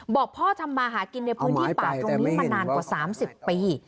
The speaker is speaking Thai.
บอกพ่อทำมาหากินในพื้นที่ป่าตรงนี้มานานกว่า๓๐ปี